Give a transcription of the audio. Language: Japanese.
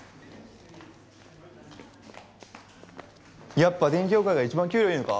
やっぱ電機業界が一番給料いいのか？